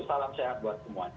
salam sehat buat semuanya